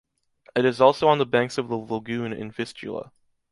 It is also on the banks of the lagoon in Vistula.